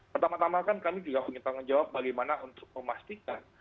pertama tama kan kami juga mau menjawab bagaimana untuk memastikan